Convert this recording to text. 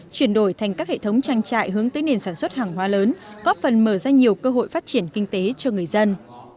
chuyển đổi thành các hệ thống trang trại hướng tới nền sản xuất hàng hóa lớn góp phần mở ra nhiều cơ hội phát triển kinh tế cho người dân